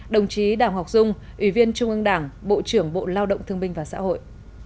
đồng chí đào ngọc dung ủy viên trung ương đảng bộ trưởng bộ lao động thương binh và xã hội